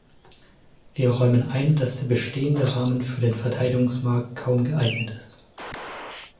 Wir räumen ein, dass der bestehende Rahmen für den Verteidigungsmarkt kaum geeignet ist.